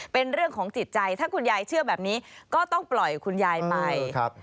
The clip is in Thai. เป็นเรื่องของจิตใจถ้าคุณยายเชื่อแบบนี้ก็ต้องปล่อยคุณยายไป